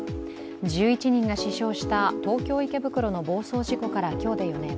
１１人が死傷した東京・池袋の暴走事故から今日で４年。